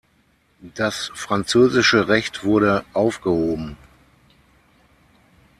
Das französische Recht wurde aufgehoben.